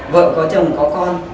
vợ có chồng có con